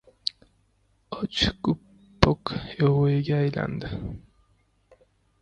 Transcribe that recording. • Och ko‘ppak yovvoyiga aylanadi.